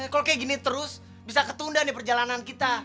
kalau kayak gini terus bisa ketunda nih perjalanan kita